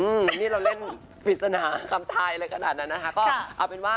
อืมนี่เราเล่นฝีศนาคำทายเลยขนาดนั้นนะครับ